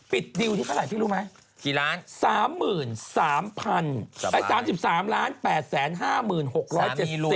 ปิดดิวที่เท่าไหร่พี่รู้ไหม